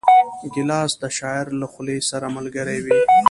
ګیلاس د شاعر له خولې سره ملګری وي.